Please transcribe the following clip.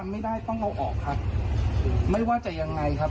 มันต้องรอให้มันสีดหรือเปล่า